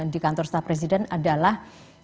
di kantor staf presiden adalah